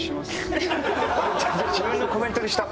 自分のコメントにした。